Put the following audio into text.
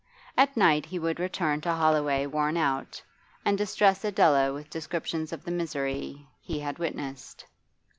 At night he would return to Holloway worn out, and distress Adela with descriptions of the misery he had witnessed.